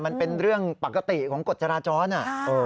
มันเป็นเรื่องปกติของกฎจราจรอ่ะ